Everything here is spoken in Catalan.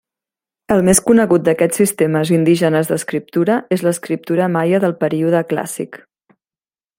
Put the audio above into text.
El més conegut d'aquests sistemes indígenes d'escriptura és l'escriptura maia del període Clàssic.